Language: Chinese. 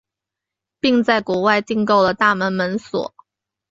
并在国外订购了大门门锁。